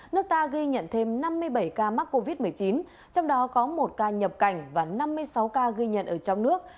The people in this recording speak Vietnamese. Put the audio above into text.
nước ta ghi nhận thêm năm mươi bảy ca mắc covid một mươi chín trong đó có một ca nhập cảnh và năm mươi sáu ca ghi nhận ở trong nước